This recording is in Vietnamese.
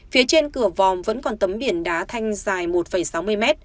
phía trên cửa vòm vẫn còn tấm biển đá thanh dài một sáu mươi mét